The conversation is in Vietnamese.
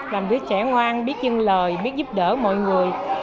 làm đứa trẻ ngoan biết dân lời biết giúp đỡ mọi người